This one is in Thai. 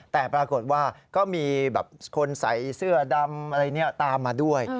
แต่ปรากฏว่าก็มีแบบคนใส่เสื้อดำอะไรเนี่ยตามมาด้วย